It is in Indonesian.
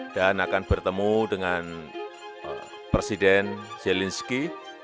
dan akan bertemu dengan presiden zelensky